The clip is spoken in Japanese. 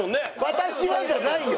「私は」じゃないよ。